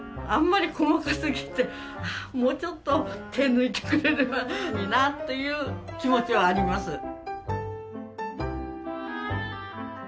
あんまり細かすぎてもうちょっと手抜いてくれればいいなっていう気持ちはあります。